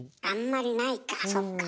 あんまりないかそっか。